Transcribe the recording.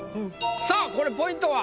さあこれポイントは？